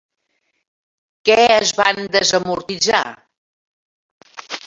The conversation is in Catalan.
Què es van desamortitzar?